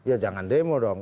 ya jangan demo dong